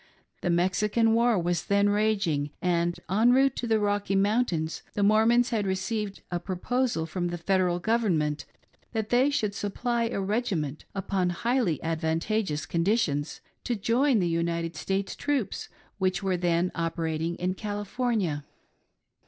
The Mexican war was then raging, and, en route to the Rocky Mountains, the Mormons had received a proposal from the Federal Government that they should supply a regiment, upon highly advantageous conditions, to join the United States troops which were then operating in California.